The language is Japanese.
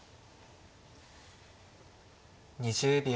２０秒。